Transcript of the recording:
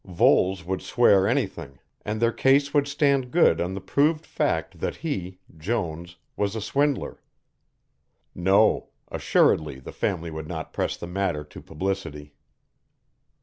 Voles would swear anything, and their case would stand good on the proved fact that he, Jones, was a swindler. No, assuredly the family would not press the matter to publicity.